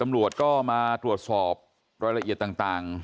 ต่ำบลวชก็มาตรวจสอบรอยละเอียดต่างต่าง